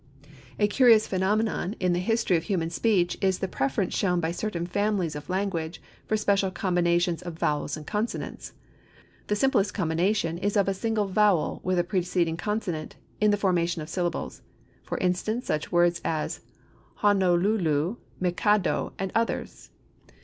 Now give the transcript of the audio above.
A curious phenomenon in the history of human speech is the preference shown by certain families of language for special combinations of vowels and consonants. The simplest combination is of a single vowel with a preceding consonant in the formation of syllables. For instance, such words as Ho no lu lu, Mi ka do and others.